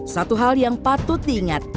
satu hal yang patut diingat